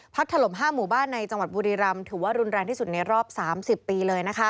ถล่ม๕หมู่บ้านในจังหวัดบุรีรำถือว่ารุนแรงที่สุดในรอบ๓๐ปีเลย